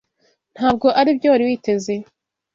Ntabwo aribyo wari witeze?